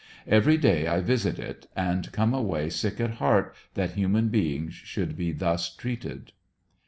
Every day I visit it, and come away sick at heart that human beings should be thus treated.